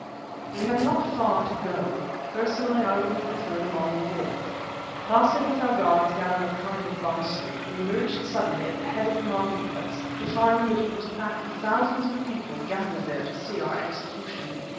We had not far to go; personally I could have preferred a longer walk. Passing with our guards down a kind of by street, we emerged suddenly at the head of the market place, to find that it was packed with thousands of people gathered there to see our execution.